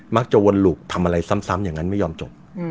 วนหลุกทำอะไรซ้ำอย่างนั้นไม่ยอมจบ